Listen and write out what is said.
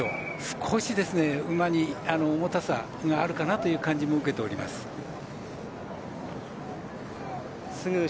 少し馬に重たさがあるかなという感じも受けております。